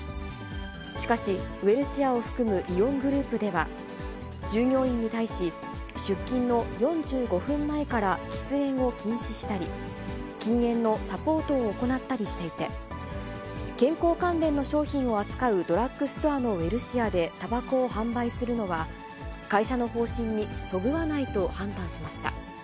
しかし、ウエルシアを含むイオングループでは、従業員に対し、出勤の４５分前から喫煙を禁止したり、禁煙のサポートを行ったりしていて、健康関連の商品を扱うドラッグストアのウエルシアでたばこを販売するのは、会社の方針にそぐわないと判断しました。